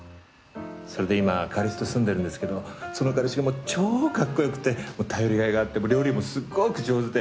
それで今彼氏と住んでるんですけどその彼氏がもう超かっこよくて頼りがいがあって料理もすっごく上手で。